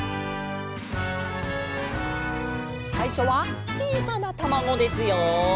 さいしょはちいさなたまごですよ。